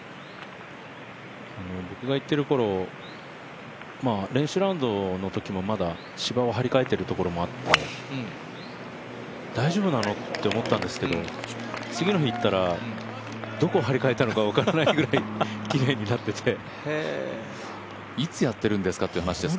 僕が行っているころ、練習ラウンドの時もまだ芝を張り替えているところもあって大丈夫なのって思ったんですけど次の日行ったらどこはり替えたのか分からないぐらい、きれいになってていつやってるんですかっていう話ですか。